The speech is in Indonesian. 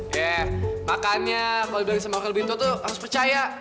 ya makanya kalo dibilang sama orang yang lebih tua tuh harus percaya